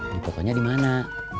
dipotonya di mana